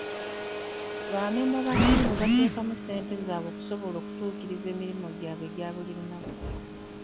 Ba mmemba ba ttiimu bateekamu ssente zaabwe okusobola okutuukiriza emirimu gyabwe egya buli lunaku.